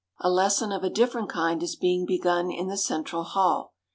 A lesson of a different kind is being begun in the Central Hall.